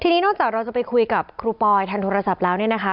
ทีนี้นอกจากเราจะไปคุยกับครูปอยทางโทรศัพท์แล้วเนี่ยนะคะ